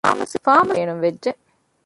ފާމަސިސްޓުން ބޭނުންވެއްޖެ